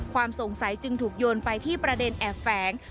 ความสงสัยจึงถูกโยนไปที่ประเด็นแอบแฝง